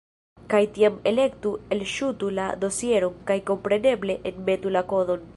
Kaj tiam, elektu "Elŝutu la dosieron", kaj kompreneble, enmetu la kodon.